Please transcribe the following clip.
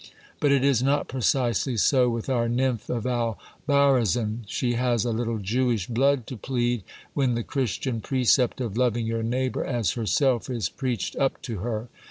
But it is not precisely so with our nymph of Albarazin : she has a little Jewish blood to plead, when the Christian precept of loving your neighbour as herself is preached up to her.